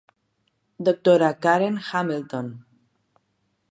Doctora Karen Hamilton.